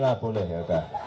ikan gila boleh ya udah